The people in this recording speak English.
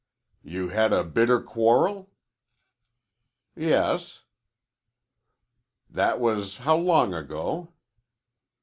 "You had a bitter quarrel?" "Yes." "That was how long ago?"